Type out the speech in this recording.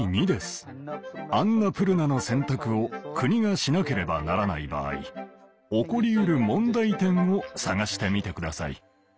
アンナプルナの選択を国がしなければならない場合起こりうる問題点を探してみてください。